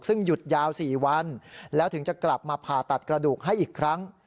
ซึ่งหยุดยาว๔วันแล้วถึงจะกลับมาผ่าตัดกระดูกให้อีกครั้ง